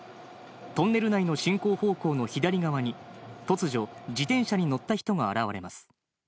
トンネル内の進行方向の左側に、突如、自転車に乗った人が現れます。